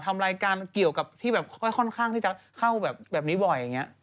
ทำรายการเกี่ยวกับที่แบบค่อนข้างที่จะเข้าแบบแบบนี้บ่อยอย่างนี้